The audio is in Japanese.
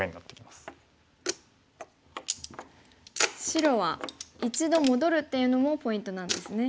白は一度戻るっていうのもポイントなんですね。